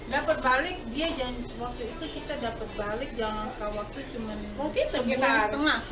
dapat balik dia janji waktu itu kita dapat balik dalam waktu cuma sebulan setengah